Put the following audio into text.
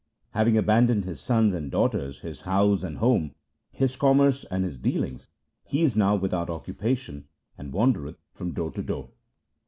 Having abandoned his sons and daughters, his house and home, his commerce and his dealings, he is now without occupation, and wandereth from door to door.